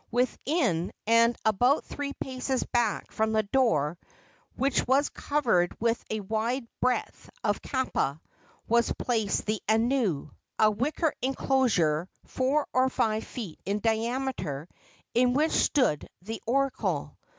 Within, and about three paces back from the door, which was covered with a wide breadth of kapa, was placed the anu, a wicker enclosure four or five feet in diameter, in which stood the oracle.